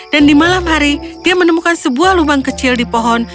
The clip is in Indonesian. dan di malam hari dia menemukan sebuah lubang kecil di pohon